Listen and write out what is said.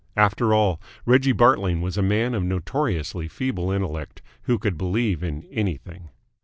After all, Reggie Bartling was a man of notoriously feeble intellect, who could believe in anything.